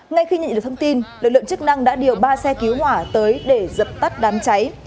ngay khi nhận được thông tin lực lượng chức năng đã điều ba xe cứu hỏa tới để dập tắt đám cháy